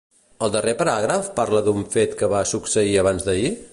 El darrer paràgraf parla d'un fet que va succeir abans-d'ahir?